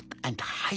はい。